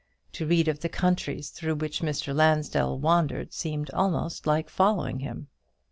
To read of the countries through which Mr. Lansdell wandered seemed almost like following him.